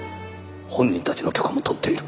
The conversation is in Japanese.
本人たちの許可も取っている。